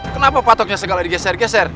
kenapa patoknya segala digeser geser